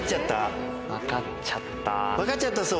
分かっちゃったそうです。